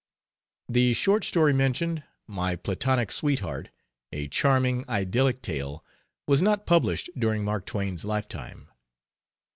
The short story mentioned, "My Platonic Sweetheart," a charming, idyllic tale, was not published during Mark Twain's lifetime.